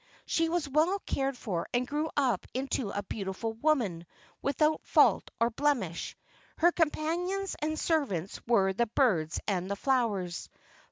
She was well cared for and grew up into a beautiful woman with¬ out fault or blemish. Her companions and ser¬ vants were the birds and the flowers.